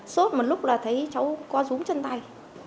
sốt một lúc là thấy cháu có rúng chân tay